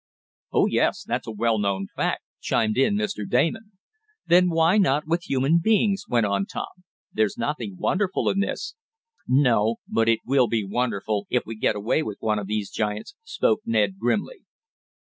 "Oh, yes; that's a well known fact," chimed in Mr. Damon. "Then why not with human beings?" went on Tom. "There's nothing wonderful in this." "No, but it will be wonderful if we get away with one of these giants," spoke Ned grimly.